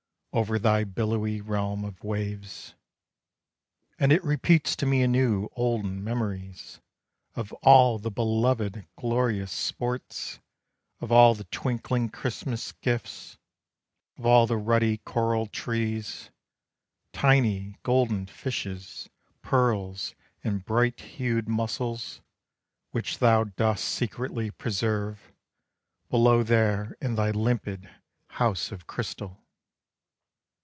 Over thy billowy realm of waves. And it repeats to me anew olden memories, Of all the belovèd glorious sports, Of all the twinkling Christmas gifts, Of all the ruddy coral trees, Tiny golden fishes, pearls and bright hued mussels, Which thou dost secretly preserve Below there in thy limpid house of crystal.